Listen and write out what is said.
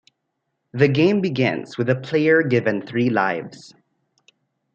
The game begins with the player given three lives.